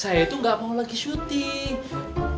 saya tuh gak mau lagi syuting